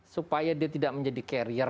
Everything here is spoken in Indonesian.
supaya dia tidak menjadi carrier